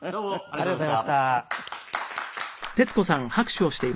ありがとうございます。